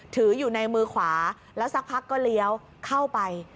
ถืออยู่ในมือขวาแล้วสักพักก็เลี้ยวเข้าไป